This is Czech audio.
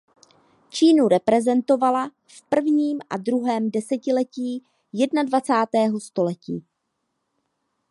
Čínu reprezentovala v prvním a druhém desetiletí jednadvacátého století.